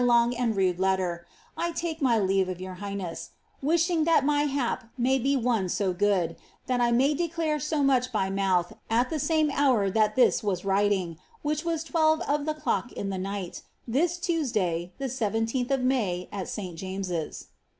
mjr long and rud«9 letter, I take my leave of youx bigfaneti, wiahing that my bp may be one co good, that I may declare flo much by mouth at the same honr^ this was writing, which was twelve of the clock in the night, this Tuesday, ib« 17th of ^lay, at St James's.